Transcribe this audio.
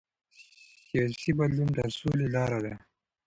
سیاسي بدلون د سولې لاره ده